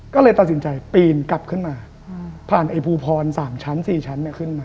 ก็เลยตัดสินใจปีนกลับขึ้นมาผ่านไอ้ภูพร๓ชั้น๔ชั้นขึ้นมา